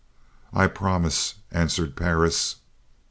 "I promise," answered Perris.